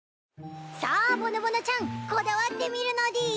さあぼのぼのちゃんこだわってみるのでぃす。